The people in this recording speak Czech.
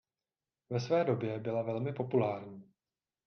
Ve své době byla velmi populární.